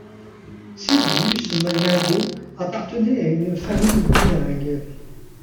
Silvius Magnago appartenait à une famille bilingue.